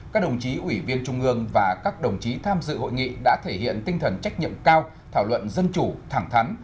các đồng chí ủy viên trung ương và các đồng chí tham dự hội nghị đã thể hiện tinh thần trách nhiệm cao thảo luận dân chủ thẳng thắn